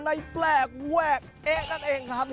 แปลกแวกเอ๊ะนั่นเองครับ